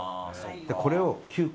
これを９個。